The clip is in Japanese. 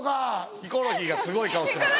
ヒコロヒーがすごい顔してます。